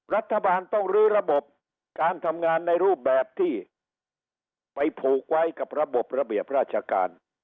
รัฐบาลต้องลื้อระบบการทำงานในรูปแบบที่ไปผูกไว้กับระบบระเบียบราชการ